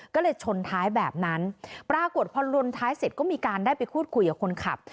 ก็เลยชนท้ายแบบนั้นปรากฏพอลนท้ายเสร็จก็มีการได้ไปพูดคุยกับคนขับ